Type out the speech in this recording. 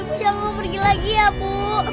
ibu ibu jangan pergi lagi ya bu